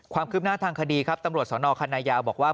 ความคืบหน้าทางคดีครับตำรวจสนคณะยาวบอกว่า